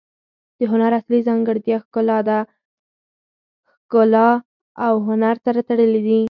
د هنر اصلي ځانګړتیا ښکلا ده. ښګلا او هنر سره تړلي دي.